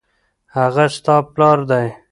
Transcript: هغه ستا پلار دی